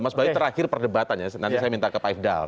mas bayu terakhir perdebatannya nanti saya minta ke pak ifdal